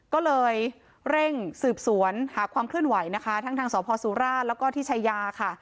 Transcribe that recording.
ก็เลยเร่งสืบสวนหาความเคลื่อนไหวนะคะทั้งทางสพสุราชแล้วก็ที่ชายาค่ะ